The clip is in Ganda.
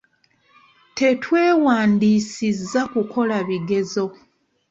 Twetwewandiisizza kukola bigezo.